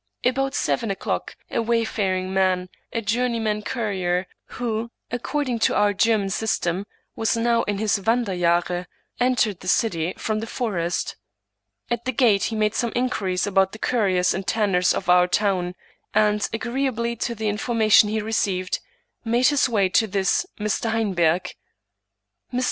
About seven o'clock, a wayfaring man, a journeyman currier, who, according to our German system, was now in his wander 127 English Mystery Stories jahre, entered the city from the forest. At the gate he made some inquiries about the curriers and tanners of our town ; and, agreeably to the information he received, made his way to this Mr. Heinberg. Mr.